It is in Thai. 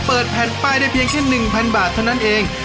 เปิดแผ่นป้ายได้เพียงแค่๑๐๐บาทเท่านั้นเอง